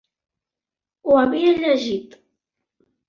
Ho havia llegit.